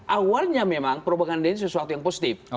awalnya memang propaganda ini sesuatu yang positif